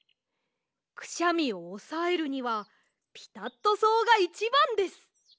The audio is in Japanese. くしゃみをおさえるにはピタットそうがいちばんです。